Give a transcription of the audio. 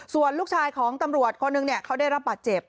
ส่วนลูกชายของตำรวจคนหนึ่งเขาได้รับบาดเจ็บ